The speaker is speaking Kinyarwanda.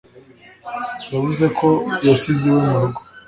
Yavuze ko yasize iwe mu rugo.